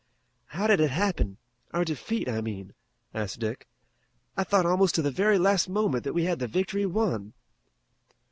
"How did it happen? Our defeat, I mean," asked Dick. "I thought almost to the very last moment that we had the victory won."